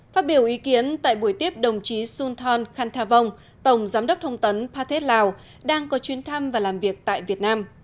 phát biểu ý kiến tại buổi tiếp đồng chí sun thon khantavong tổng giám đốc thông tấn pathet lào đang có chuyến thăm và làm việc tại việt nam